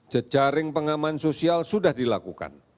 jejaring pengaman sosial sudah dilakukan